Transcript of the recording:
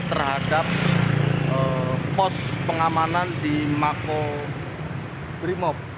terhadap pos pengamanan di mako brimob